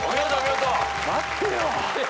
待ってよ。